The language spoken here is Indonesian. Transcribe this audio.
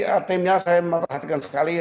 hakimnya saya memperhatikan sekali